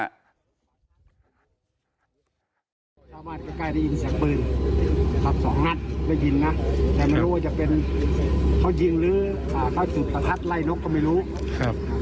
กลายได้ยินเสียงปืนครับสองหัสได้ยินนะแต่ไม่รู้ว่าจะเป็น